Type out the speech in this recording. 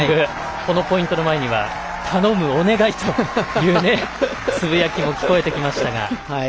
このポイントの前には「頼む、お願い」というつぶやきも聞こえてきましたが。